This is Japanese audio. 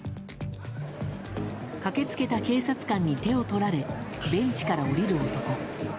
駆けつけた警察官に手を取られベンチから下りる男。